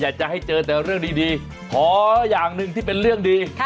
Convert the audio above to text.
อยากจะให้เจอแต่เรื่องดีขออย่างหนึ่งที่เป็นเรื่องดี